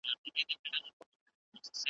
په قفس پسي یی وکړل ارمانونه .